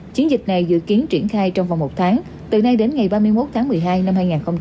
chiến dịch này dự kiến triển khai trong vòng một tháng từ nay đến ngày ba mươi một tháng một mươi hai năm hai nghìn hai mươi